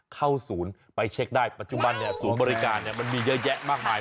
เข้าศูนย์ไปเช็คได้ปัจจุบันศูนย์บริการมันมีเยอะแยะมากมาย